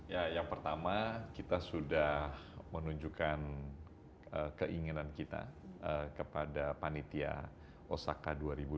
ya yang pertama kita sudah menunjukkan keinginan kita kepada panitia osaka dua ribu dua puluh